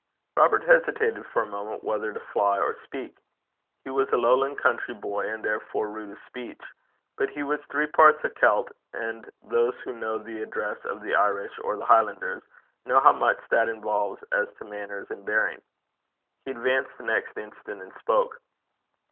Robert hesitated for a moment whether to fly or speak. He was a Lowland country boy, and therefore rude of speech, but he was three parts a Celt, and those who know the address of the Irish or of the Highlanders, know how much that involves as to manners and bearing. He advanced the next instant and spoke.